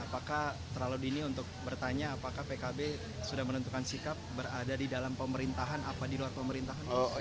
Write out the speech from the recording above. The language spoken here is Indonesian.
apakah terlalu dini untuk bertanya apakah pkb sudah menentukan sikap berada di dalam pemerintahan apa di luar pemerintahan